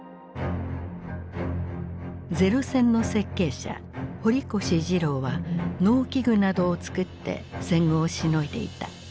零戦の設計者堀越二郎は農機具などをつくって戦後をしのいでいた。